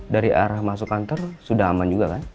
dari arah masuk kantor sudah aman juga kan